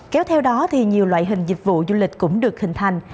kéo theo đó thì nhiều loại hình dịch vụ du lịch cũng được hình thành